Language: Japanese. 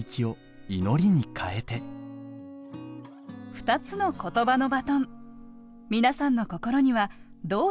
２つの言葉のバトン皆さんの心にはどう響きましたか？